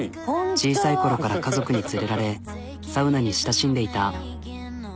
小さい頃から家族に連れられサウナに親しんでいた。